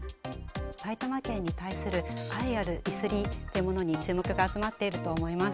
埼玉県に対する愛あるディスりっていうものに注目が集まっていると思います。